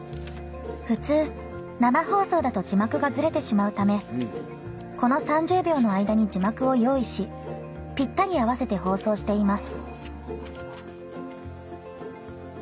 普通、生放送だと字幕がずれてしまうためこの３０秒の間に字幕を用意しぴったり合わせて放送しています。